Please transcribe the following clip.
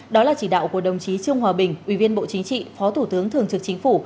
đó là chỉ đạo của đồng chí trương hòa bình ủy viên bộ chính trị phó thủ tướng thường trực chính phủ